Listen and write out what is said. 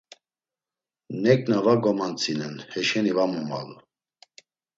Neǩna var gomantzinen, heşeni var momalu.